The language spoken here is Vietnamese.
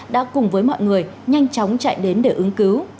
đã cùng với mọi người nhanh chóng chạy đến để ứng cứu